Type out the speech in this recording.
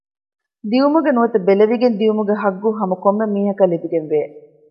ދިޔުމުގެ ނުވަތަ ބެލެވިގެން ދިޔުމުގެ ޙައްޤު ހަމަކޮންމެ މީހަކަށް ލިބިގެންވޭ